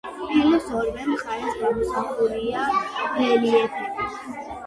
ფილის ორივე მხარეს გამოსახულია რელიეფები.